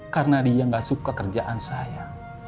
karena dia gak suka kerjaan saya